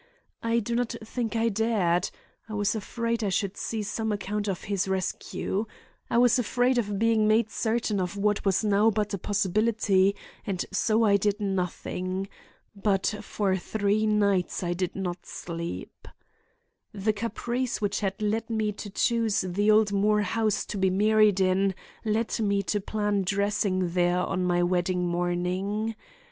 I do not think I dared. I was afraid I should see some account of his rescue. I was afraid of being made certain of what was now but a possibility, and so I did nothing. But for three nights I did not sleep. "The caprice which had led me to choose the old Moore house to be married in led me to plan dressing there on my wedding morning.